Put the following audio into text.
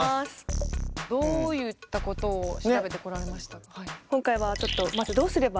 どういったことを調べてこられました？